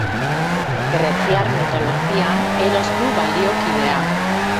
Greziar mitologian Eros du baliokidea.